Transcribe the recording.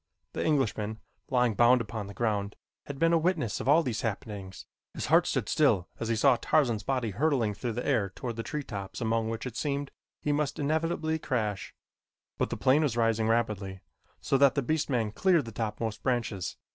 The Englishman, lying bound upon the ground, had been a witness of all these happenings. His heart stood still as he saw Tarzan's body hurtling through the air toward the tree tops among which it seemed he must inevitably crash; but the plane was rising rapidly, so that the beast man cleared the top most branches.